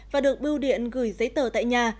và được bưu điện gửi giấy tờ tại nhà